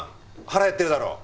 腹減ってるだろ。